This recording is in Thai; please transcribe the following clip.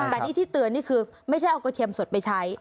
แต่นี่ที่เตือนนี่คือไม่ใช่เอากระเทียมสดไปใช้